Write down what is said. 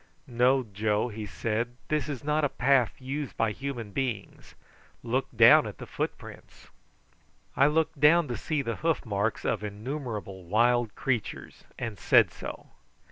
"No, Joe," he said; "this is not a path used by human beings. Look down at the footprints." I looked down to see the hoof marks of innumerable wild creatures, and said so.